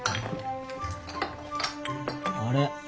あれ？